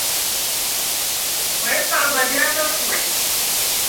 وَيَدْفَعُ بَادِرَةَ سَطْوَتِهِ